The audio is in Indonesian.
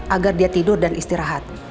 agar dia tidur dan istirahat